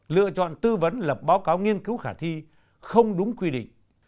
lựa chọn tư vấn lập báo cáo nghiên cứu khả thi không đúng quy định